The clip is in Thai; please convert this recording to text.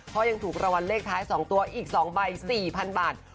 เพราะยังถูกรางวัลเลขท้าย๒ตัวอีก๒ใบ๔๐๐๐บาท